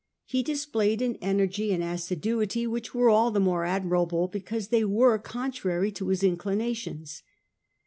He displayed an energy and assiduity which were all the more admirable because they were contrary to his inclina tions.